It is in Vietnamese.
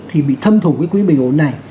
thì bị thâm thủ quỹ bình ổn này